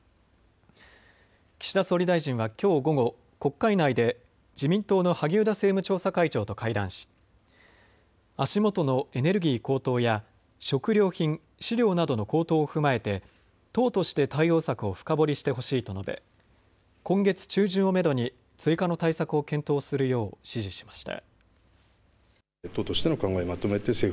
岸田総理大臣はきょう午後、国会内で自民党の萩生田政務調査会長と会談し足元のエネルギー高騰や食料品、飼料などの高騰を踏まえて党として対応策を深掘りしてほしいと述べ今月中旬をめどに追加の対策を検討するよう指示しました。